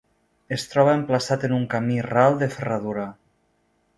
Es troba emplaçat en un camí ral de ferradura.